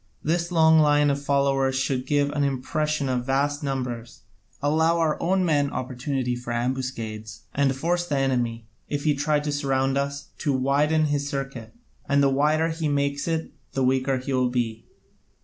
This long line of followers should give an impression of vast numbers, allow our own men opportunity for ambuscades, and force the enemy, if he try to surround us, to widen his circuit, and the wider he makes it the weaker he will be.